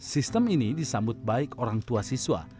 sistem ini disambut baik orang tua siswa